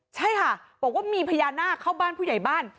ใช่ค่ะบอกว่ามีพญานาคเข้าบ้านผู้ใหญ่บ้าน